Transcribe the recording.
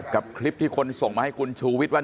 คลิปที่คนส่งมาให้คุณชูวิทย์ว่า